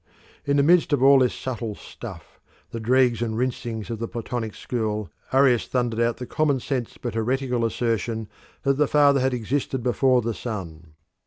In the midst of all this subtle stuff, the dregs and rinsings of the Platonic school, Arius thundered out the common sense but heretical assertion that the Father had existed before the Son.